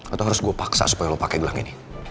atau harus gue paksa supaya lo pakai gelang ini